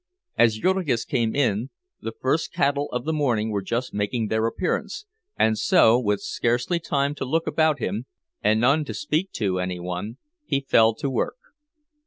As Jurgis came in, the first cattle of the morning were just making their appearance; and so, with scarcely time to look about him, and none to speak to any one, he fell to work.